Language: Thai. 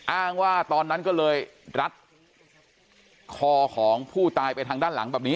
อ้างว่าตอนนั้นก็เลยรัดคอของผู้ตายไปทางด้านหลังแบบนี้